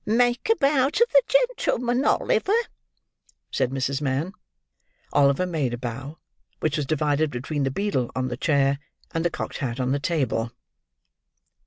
"Make a bow to the gentleman, Oliver," said Mrs. Mann. Oliver made a bow, which was divided between the beadle on the chair, and the cocked hat on the table.